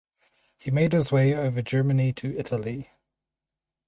He made his way over Germany to Italy.